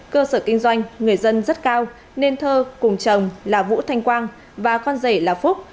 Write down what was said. cơ sở kinh doanh người dân rất cao nên thơ cùng chồng là vũ thanh quang và con rể là phúc